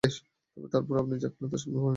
তবে তারপরও আপনি যা করলেন তা স্বপ্নেও ভাবিনি!